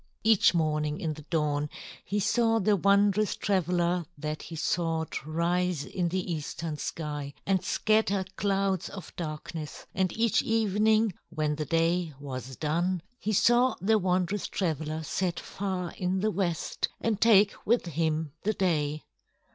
Each morning in the dawn he saw the wondrous traveler that he sought rise in the eastern sky and scatter clouds of darkness; and each evening, when the day was done, he saw the wondrous traveler set far in the west and take with him the day.